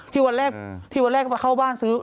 ที่วันแรกเข้าบ้านซื้อ